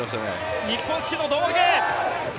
日本式の胴上げ。